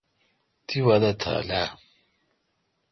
تی وادہ تھا اؘ ۔